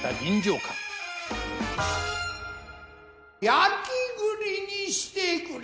焼栗にしてくれい。